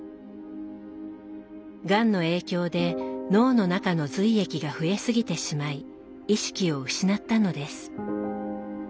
がんの影響で脳の中の髄液が増えすぎてしまい意識を失ったのです。